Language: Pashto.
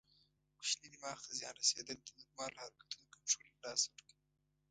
کوچني دماغ ته زیان رسېدل د نورمالو حرکتونو کنټرول له لاسه ورکوي.